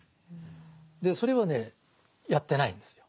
でそれはねやってないんですよ。